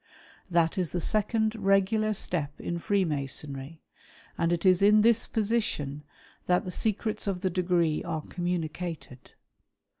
That is the second regular '' step in Freemasonry, and it is in this position that the secrets " of the degree are communicated.